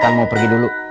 kakak mau pergi dulu